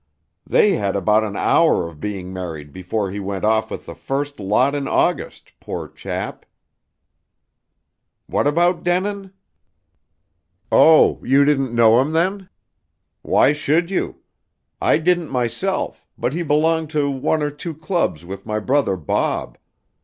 They had about an hour of being married before he went off with the first lot in August, poor chap." "What about Denin?" "Oh, you didn't know him, then? Why should you? I didn't myself, but he belonged to one or two clubs with my brother Bob.